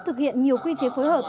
thực hiện nhiều quy chế phối hợp